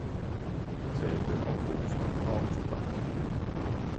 de talte om roser og om tobak.